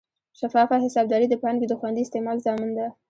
شفافه حسابداري د پانګې د خوندي استعمال ضامن ده.